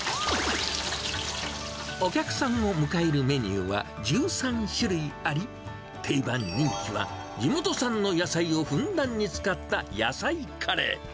お客さんを迎えるメニューは１３種類あり、定番人気は、地元産の野菜をふんだんに使った野菜カレー。